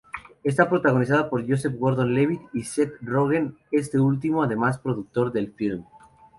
Está protagonizada por Joseph Gordon-Levitt y Seth Rogen, este último además productor del filme.